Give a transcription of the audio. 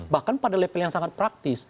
bahkan pada level yang sangat praktis